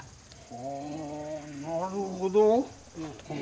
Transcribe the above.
はあなるほど。